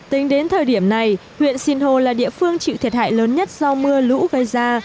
tính đến thời điểm này huyện sinh hồ là địa phương chịu thiệt hại lớn nhất do mưa lũ gây ra